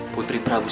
putri prabu satu